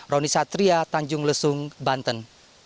roni satria tanjung lesung banten